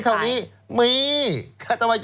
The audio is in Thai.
ครั้งในมีขาย